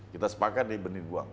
kita sepakat nih benih dibuang